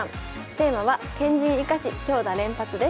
テーマは「堅陣生かし強打連発」です。